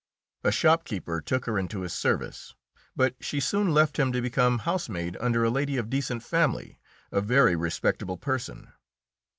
A shopkeeper took her into his service, but she soon left him to become housemaid under a lady of decent family a very respectable person.